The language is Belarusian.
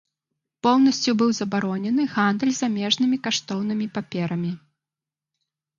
Поўнасцю быў забаронены гандаль замежнымі каштоўнымі паперамі.